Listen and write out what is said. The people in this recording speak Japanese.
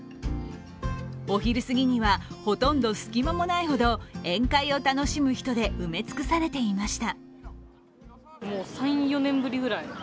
お昼過ぎには、ほとんど隙間もないほど宴会を楽しむ人で埋め尽くされていました。